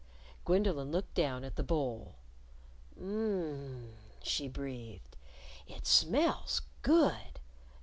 Gwendolyn looked down at the bowl. "M m m!" she breathed. "It smells good!